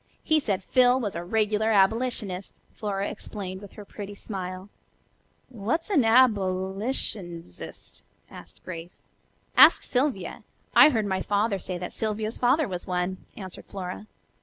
He said Phil was a regular abolitionist," Flora explained with her pretty smile. "What's an abbylitionzist?" asked Grace. "Ask Sylvia. I heard my father say that Sylvia's father was one," answered Flora.